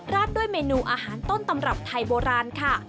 ด้วยเมนูอาหารต้นตำรับไทยโบราณค่ะ